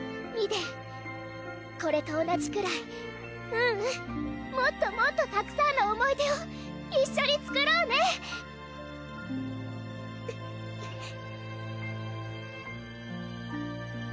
ミデンこれと同じくらいううんもっともっとたくさんの思い出を一緒に作ろうねウゥ